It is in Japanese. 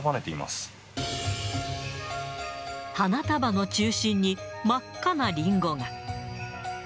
花束の中心に、真っ赤なリンゴが。